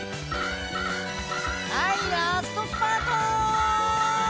はいラストスパート！